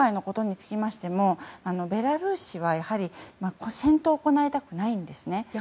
また今回のことにつきましてもベラルーシは戦闘を行いたくないんですね。